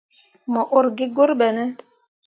Mo ur gi gur ɓene ?